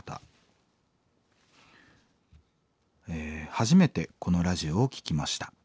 「初めてこのラジオを聴きました。